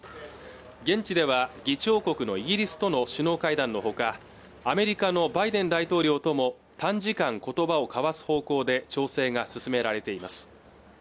現地では議長国のイギリスとの首脳会談のほかアメリカのバイデン大統領とも短時間ことばを交わす方向で調整が進められています